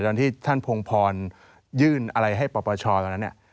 ตอนที่ท่านพงภรยื่นอะไรให้ประประชาติแล้วนะเนี่ย